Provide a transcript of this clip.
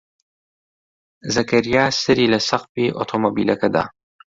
زەکەریا سەری لە سەقفی ئۆتۆمۆبیلەکە دا.